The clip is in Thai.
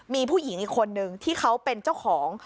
มีผู้หญิงอีกคนนึงที่เขาเป็นเจ้าของ